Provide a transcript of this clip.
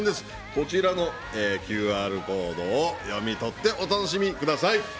こちらのＱＲコードを読み取ってお楽しみください。